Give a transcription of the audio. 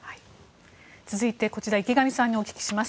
続いて池上さんにお聞きします。